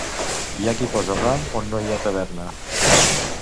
Hi ha qui posa ram on no hi ha taverna.